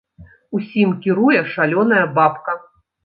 Усім кіруе шалёная бабка.